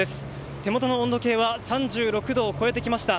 手元の温度計は３６度を超えてきました。